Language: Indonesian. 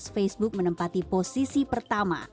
facebook menempati posisi pertama